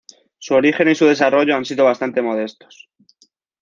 Su origen y su desarrollo han sido bastante modestos.